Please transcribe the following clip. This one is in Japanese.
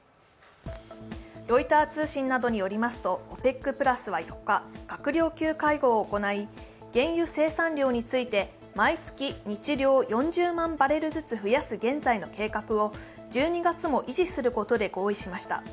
ロイター通信などによりますと、ＯＰＥＣプラスは４日、閣僚級会合を行い、原油生産量について毎月日量４０万バレルずつ増やす現在の計画を１２月も維持することで合意しました。